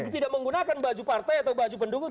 tidak menggunakan baju partai atau baju pendukung